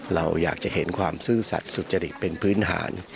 เราอยากจะเห็นความซื่อสัตว์สุจริตเป็นพื้นฐาน